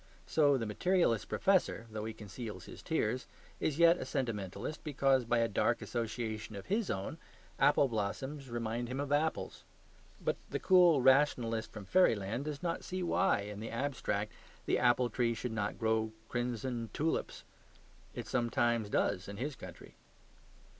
So the materialist professor (though he conceals his tears) is yet a sentimentalist, because, by a dark association of his own, apple blossoms remind him of apples. But the cool rationalist from fairyland does not see why, in the abstract, the apple tree should not grow crimson tulips; it sometimes does in his country.